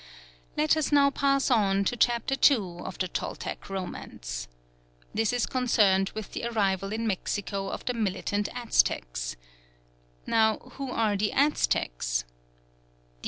Let us now pass on to Chapter 2 of the Toltec romance. This is concerned with the arrival in Mexico of the militant Aztecs. Now who are the Aztecs?